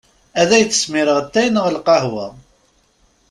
Ad ak-d-smireɣ ttay neɣ lqahwa?